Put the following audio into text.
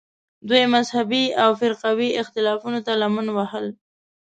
دوی مذهبي او فرقوي اختلافونو ته لمن وهل